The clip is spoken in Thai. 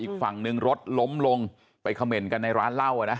อีกฝั่งนึงรถล๊มลงไปคำเม่นกันในร้านเล่าอ่ะนะ